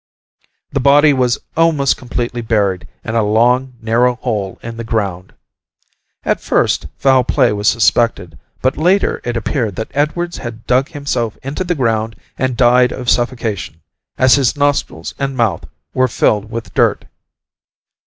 The body was almost completely buried in a long narrow hole in the ground. At first, foul play was suspected, but later it appeared that Edwards had dug himself into the ground and died of suffocation, as his nostrils and mouth were filled with dirt.